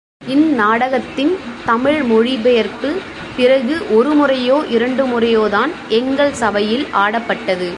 இந் நாடகத்தின் தமிழ் மொழிபெயர்ப்பு, பிறகு ஒரு முறையோ இரண்டு முறையோதான் எங்கள் சபையில் ஆடப்பட்டது.